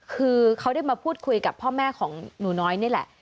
คือเขาได้มาพูดคุยกับพ่อแม่ของหนูน้อยนี่แหละ